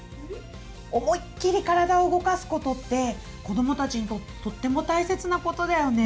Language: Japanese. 思いっきり体を動かすことって子どもたちにとってとっても大切なことだよね。